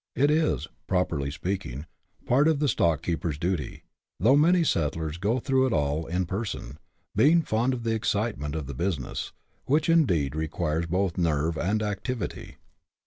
It is, properly speaking, part of the stock keeper's duty, though many settlers go through it all in r2 68 BUSH LIFE IN AUSTRALIA. [chap. vi. person, being fond of the excitement of the business, which indeed requires both nerve and activity.